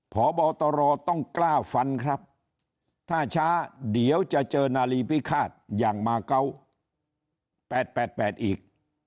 พบตรต้องกล้าฟันครับถ้าช้าเดี๋ยวจะเจอนาลีพิฆาตอย่างมาเกาะ๘๘อีก